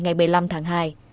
ngày một mươi năm tháng hai